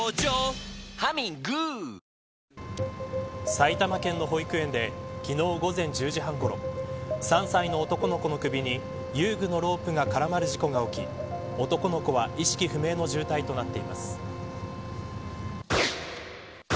埼玉県の保育園で昨日、午前１０時半ごろ３歳の男の子の首に遊具のロープが絡まる事故が起き男の子は意識不明の重体となっています。